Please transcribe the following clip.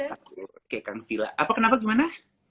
aku kekang silah apa kenapa gimana